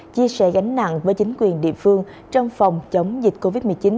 chia sẻ gánh nặng với chính quyền địa phương trong phòng chống dịch covid một mươi chín